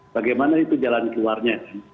bagaimana itu jalan keluarnya